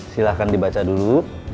silahkan dibaca dulu